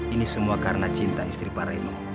ini semua karena cinta istri pak reno